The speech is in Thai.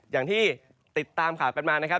อย่างที่ติดตามข่าวกันมานะครับ